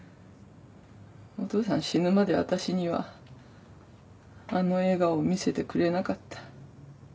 お父さん死ぬまで私にはあの笑顔を見せてくれなかった。